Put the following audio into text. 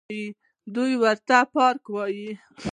دوى ورته پارک وايه.